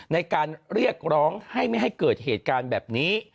ในการเรียกร้องให้ไม่ให้เกิดเหตุการณ์แบบนี้